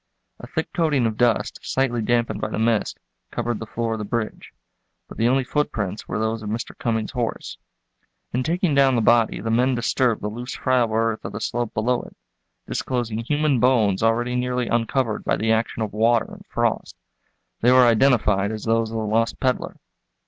A thick coating of dust, slightly dampened by the mist, covered the floor of the bridge, but the only footprints were those of Mr. Cummings' horse. In taking down the body the men disturbed the loose, friable earth of the slope below it, disclosing human bones already nearly uncovered by the action of water and frost. They were identified as those of the lost peddler.